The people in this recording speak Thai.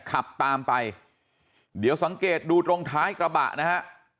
ขับตามไปเดี๋ยวสังเกตดูตรงท้ายกระบะนะฮะ